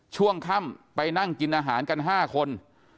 ช่วงค่ำไปนั่งกินอาหารกัน๕คน